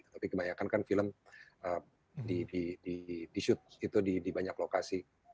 tapi kebanyakan kan film disyut itu di banyak lokasi